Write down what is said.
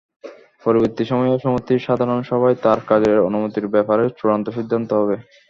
পরবর্তী সময়ে সমিতির সাধারণ সভায় তাঁর কাজের অনুমতির ব্যাপারে চূড়ান্ত সিদ্ধান্ত হবে।